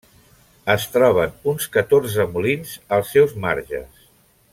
Es troben uns catorze molins als seus marges.